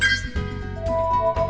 hệ thống vtol